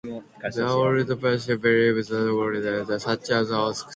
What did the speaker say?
The old Prussians believed that gods inhabited tall trees, such as oaks.